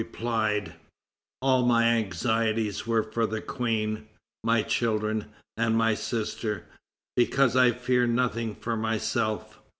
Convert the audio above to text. replied: "All my anxieties were for the Queen, my children and my sister; because I feared nothing for myself."